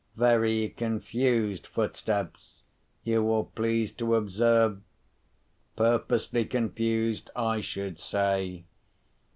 Very confused footsteps, you will please to observe—purposely confused, I should say.